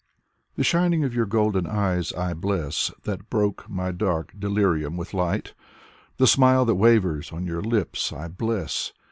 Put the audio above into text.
The shining of your golden eyes I bless ! That broke my dark delirium with light. The smile that wavers on your lips I bless!